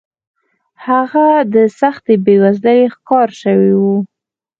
هغه د سختې بېوزلۍ ښکار شوی و.